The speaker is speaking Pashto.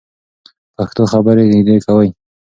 پښتو خبرې نږدې کوي.